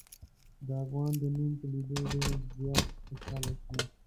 د افغان د نوم په لیدلو ډېر زیات خوشحاله شوم.